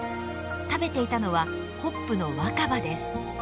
食べていたのはホップの若葉です。